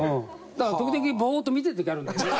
だから時々ボーッと見てる時あるんだよね。